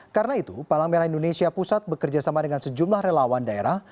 karena itu palang merah indonesia pusat bekerjasama dengan sejumlah relawan daerah